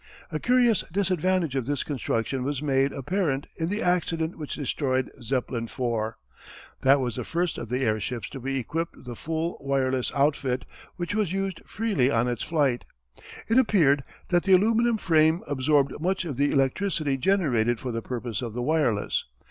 A curious disadvantage of this construction was made apparent in the accident which destroyed Zeppelin IV. That was the first of the airships to be equipped with a full wireless outfit which was used freely on its flight. It appeared that the aluminum frame absorbed much of the electricity generated for the purpose of the wireless.